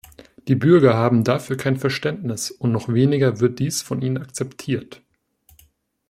Die Bürger haben dafür kein Verständnis, und noch weniger wird dies von ihnen akzeptiert.